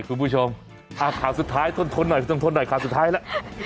คุณผู้ชมขาวสุดท้ายทนหน่อยขาวสุดท้ายละ